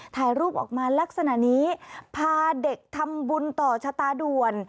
ถ่ายรูปออกมาลักษณะนี้พาเด็กทำบุญต่อชะตาด่วน